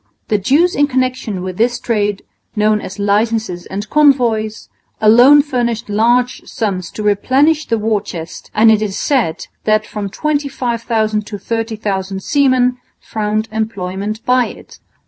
The dues in connection with this trade, known as licences and convoys, alone furnished large sums to replenish the war chest; and it is said that from 25,000 to 30,000 seamen found employment by it.